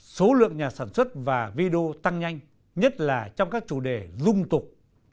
số lượng nhà sản xuất và video tăng nhanh nhất là trong các chủ đề dung tục